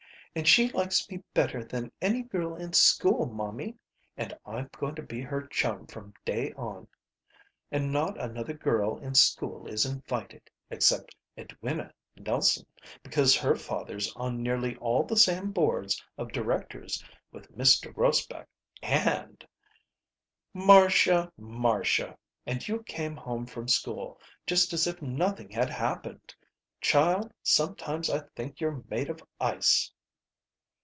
"And she likes me better than any girl in school, momie, and I'm to be her chum from to day on, and not another girl in school is invited except Edwina Nelson, because her father's on nearly all the same boards of directors with Mr. Grosbeck, and " "Marcia! Marcia! and you came home from school just as if nothing had happened! Child, sometimes I think you're made of ice."